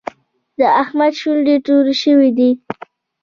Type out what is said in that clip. د احمد شونډې تورې شوې دي.